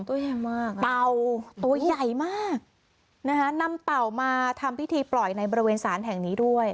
ตัวใหญ่มากเต่าตัวใหญ่มากนะคะนำเต่ามาทำพิธีปล่อยในบริเวณศาลแห่งนี้ด้วย